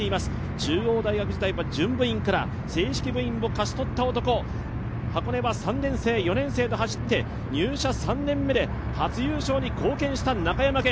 中央大学時代は準部員から正式部員を勝ち取った男箱根は３年生、４年生と走って、入社４年目で初優勝に貢献した中山顕。